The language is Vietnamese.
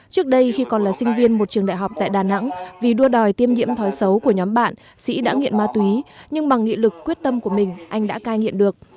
trước đây khi còn là sinh viên một trường đại học tại đà nẵng vì đua đòi tiêm nhiễm thói xấu của nhóm bạn sĩ đã nghiện ma túy nhưng bằng nghị lực quyết tâm của mình anh đã cai nghiện được